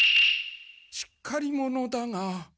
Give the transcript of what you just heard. しっかり者だが。